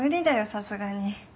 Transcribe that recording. さすがに。